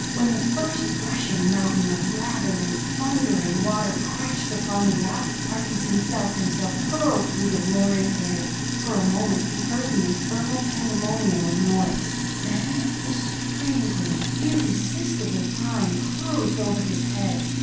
When the first rushing mountain of lathering, thundering water crashed upon the yacht, Parkinson felt himself hurtling through the roaring air. For a moment he heard the infernal pandemonium of noise ... then the strangling, irresistible brine closed over his head.